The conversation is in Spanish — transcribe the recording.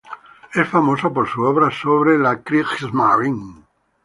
Es famoso por sus obras sobre la Kriegsmarine.